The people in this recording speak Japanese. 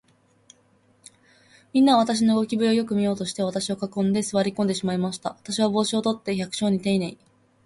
みんなは、私の動きぶりをよく見ようとして、私を囲んで、坐り込んでしまいました。私は帽子を取って、百姓にていねいに、おじぎをしました。